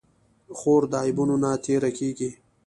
خور د عیبونو نه تېره کېږي.